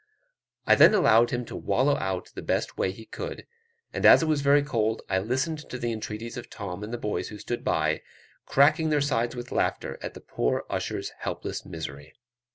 I then allowed him to wallow out the best way he could; and as it was very cold, I listened to the entreaties of Tom and the boys who stood by, cracking their sides with laughter at the poor usher's helpless misery.